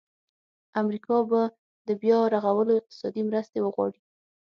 امریکا به د بیا رغولو اقتصادي مرستې وغواړي.